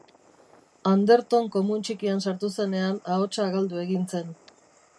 Anderton komun txikian sartu zenean ahotsa galdu egin zen.